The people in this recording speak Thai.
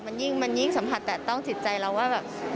มันยิ่งสัมผัสแต่ต้องจิตใจเราว่า